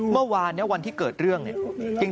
เมื่อวานเนี่ยวันที่เกิดเรื่องเนี่ย